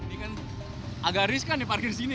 ini kan agak riskan di parkir sini